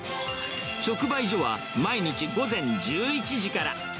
直売所は毎日午前１１時から。